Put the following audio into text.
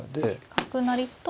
角成と。